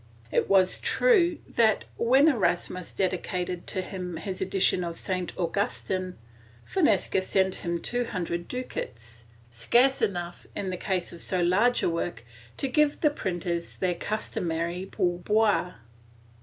It was true that, when Erasmus dedicated to him his edition of St, Augustin, Fonseca sent him two hundred ducats, scarce enough, in the case of so large a work, to give the printers their customary pour boire.